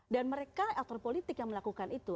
dan mereka aktor politik yang melakukan itu